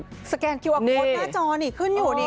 นี่ไงสแกนคิวอัคโกนหน้าจอนี่ขึ้นอยู่